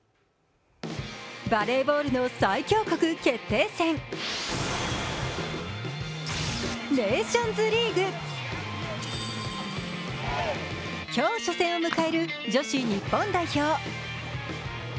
バレーボールの最強国決定戦、ネーションズリーグ。今日初戦を迎える女子日本代表。